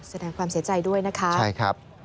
แสดงความเสียใจด้วยนะครับ